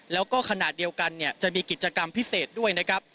แล้วก็ขณะเดียวกันเนี่ยจะมีกิจกรรมพิเศษด้วยนะครับ